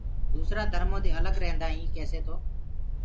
دوسرآ ڌرمودي الگ ريهدآئينٚ ڪيسي تو